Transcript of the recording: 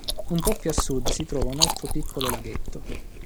Un po' più a sud si trova un altro piccolo laghetto.